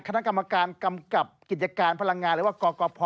คณะกรรมการกำกับกิจการพลังงานหรือว่ากกพ